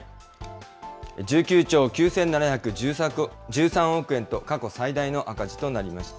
１９兆９７１３億円と、過去最大の赤字となりました。